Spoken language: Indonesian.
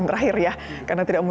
pasti aja luar biasa